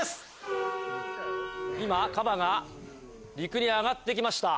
今カバが陸に上がってきました。